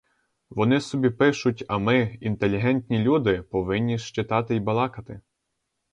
Вони собі пишуть, а ми, інтелігентні люди, повинні ж читати й балакати.